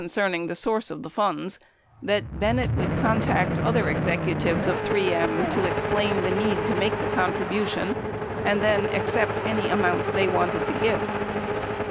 927 cerning the source of the funds that Bennett would contact other executives of 3 M to explain the need to make the contribution and then accept any amounts they wanted to give.